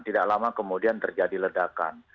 tidak lama kemudian terjadi ledakan